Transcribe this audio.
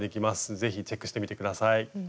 是非チェックしてみて下さい。